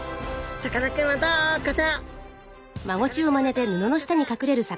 さかなクンはどこだ？